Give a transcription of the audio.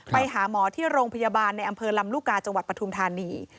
ไปหาหมอที่โรงพยาบาลในอำเภอลำลูกกาจังหวัดปฐุมธานี